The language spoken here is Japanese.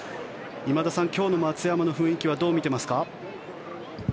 今田さん、今日の松山の雰囲気はどう見ていますか？